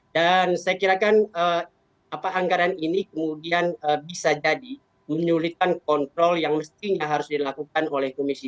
dan saya kirakan anggaran ini kemudian bisa jadi menyulitkan kontrol yang mestinya harus dilakukan oleh komisi dua